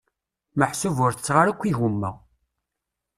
Meḥsub ur tetteɣ ara akk igumma.